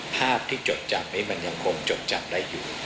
ภาพที่จดจำนี้มันยังคงจดจำได้อยู่